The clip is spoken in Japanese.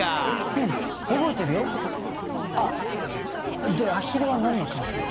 うん覚えてるよあっでアヒルは何の関係が？